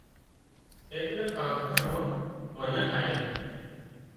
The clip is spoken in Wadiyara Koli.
ايٽليڪ ڪانڪ گھر نان منک آيان